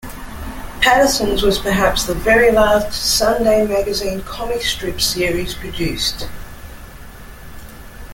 Patterson's was perhaps the very last Sunday magazine comic strip series produced.